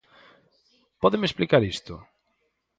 ¿Pódeme explicar isto?